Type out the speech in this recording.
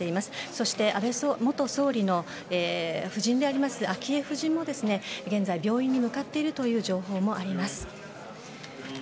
そして、安倍元総理の夫人であります昭恵夫人も現在、病院に向かっているという情報もあります。